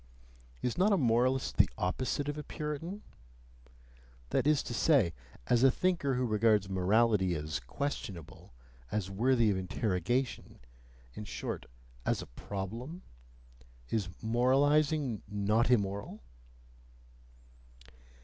(Is not a moralist the opposite of a Puritan? That is to say, as a thinker who regards morality as questionable, as worthy of interrogation, in short, as a problem? Is moralizing not immoral?)